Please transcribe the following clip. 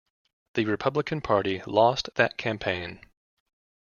The Republican Party lost that campaign.